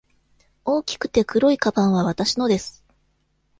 大きくて黒いかばんはわたしのです。